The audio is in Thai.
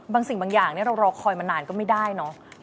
สิ่งบางอย่างเรารอคอยมานานก็ไม่ได้เนอะ